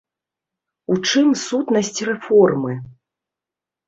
У чым сутнасць рэформы?